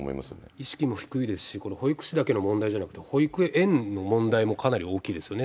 意識も低いですし、これ、保育士だけの問題じゃなくて、保育園の問題もかなり大きいですよね。